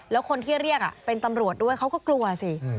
แล้วคนที่เรียกเป็นตำรวจด้วยเขาก็กลัวสิ